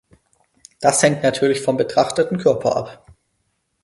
Das hängt natürlich vom betrachteten Körper ab.